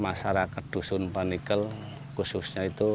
masyarakat yang memiliki tanah yang berasal dari tanah yang tersebut